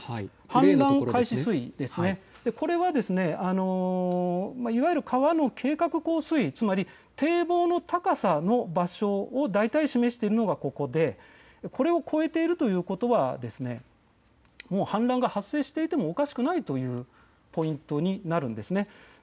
氾濫開始水位、これはいわゆる川の堤防の高さの場所を大体示しているのがここでこれを超えているということはもう氾濫が発生していてもおかしくないというポイントになるんです。